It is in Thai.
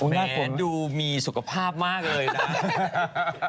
แหมดูมีสุขภาพมากเลยน่ะ